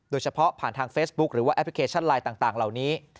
โดยเฉพาะผ่านทางเฟซบุ๊คหรือว่าแอปพลิเคชันไลน์ต่างเหล่านี้